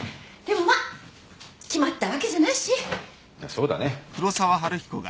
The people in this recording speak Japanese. そうだね。